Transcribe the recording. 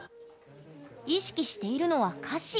意識しているのは歌詞。